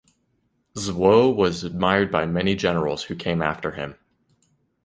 Zuo was admired by many generals who came after him.